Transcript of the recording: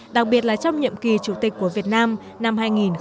đặc biệt là trong nhiệm kỳ chủ tịch của việt nam năm hai nghìn hai mươi